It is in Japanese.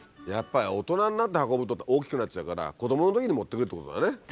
やっぱり大人になって運ぶと大きくなっちゃうから子どものときに持っていくってことだね。